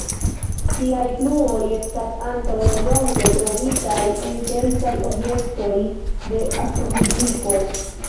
Tiaj fluoj estas antaŭnelonge trovitaj en kelkaj objektoj de astrofiziko.